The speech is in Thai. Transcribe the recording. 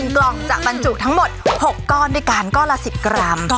กล่องจะบรรจุทั้งหมด๖ก้อนด้วยกันก้อนละ๑๐กรัม